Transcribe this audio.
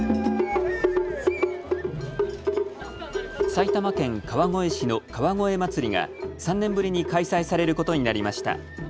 埼玉県川越市の川越まつりが３年ぶりに開催されることになりました。